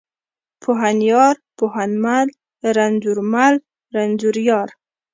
پوهنيار، پوهنمل، رنځورمل، رنځوریار.